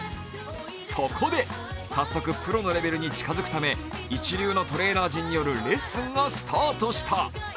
そこで、早速、プロのレベルに近づくため一流のトレーナー陣によるレッスンがスタートした。